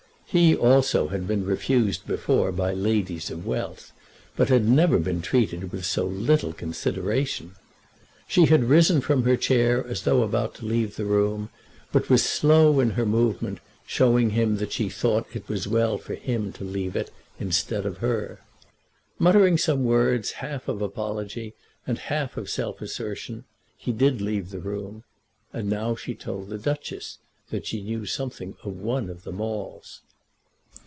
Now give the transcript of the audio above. He also had been refused before by ladies of wealth, but had never been treated with so little consideration. She had risen from her chair as though about to leave the room, but was slow in her movement, showing him that she thought it was well for him to leave it instead of her. Muttering some words, half of apology and half of self assertion, he did leave the room; and now she told the Duchess that she knew something of one of the Maules.